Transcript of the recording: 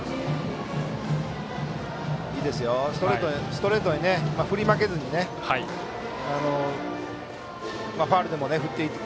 ストレートに振り負けずにファウルでも振っていく。